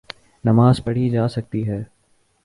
نماز پڑھی جاسکتی ہے۔